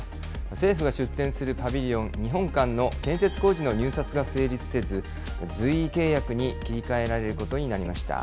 政府が出展するパビリオン、日本館の建設工事の入札が成立せず、随意契約に切り替えられることになりました。